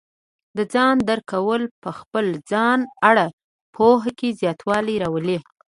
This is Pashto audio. د ځان درک کول په خپل ځان اړه پوهه کې زیاتوالی راولي.